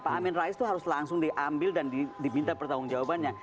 pak amin rais itu harus langsung diambil dan diminta pertanggung jawabannya